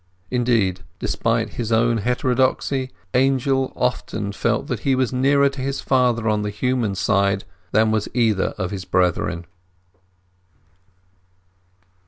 Indeed, despite his own heterodoxy, Angel often felt that he was nearer to his father on the human side than was either of his brethren.